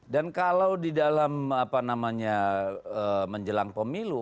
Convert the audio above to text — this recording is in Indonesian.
dan kalau di dalam apa namanya menjelang pemilu